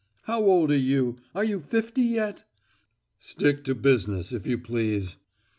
How old are you? Are you fifty yet?" "Stick to business, if you please."